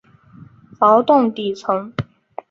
劳动底层